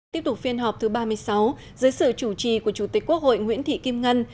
tiếp tục phiên họp thứ ba mươi sáu dưới sự chủ trì của chủ tịch quốc hội nguyễn thị kim ngân